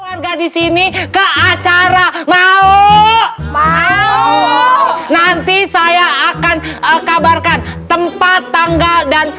warga disini ke acara mau mau nanti saya akan kabarkan tempat tangga dan